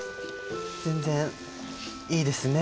全然いいですね。